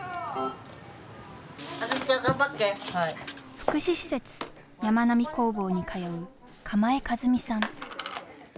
福祉施設やまなみ工房に通う鎌江一美さん。